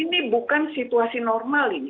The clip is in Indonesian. ini bukan situasi normal ini